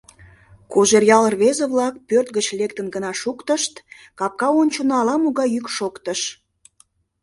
Кожеръял рвезе-влак пӧрт гыч лектын гына шуктышт, капка ончылно ала-могай йӱк шоктыш.